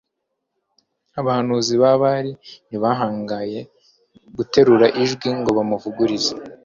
Abahanuzi ba Bali ntibahangaye guterura ijwi ngo bamuvuguruze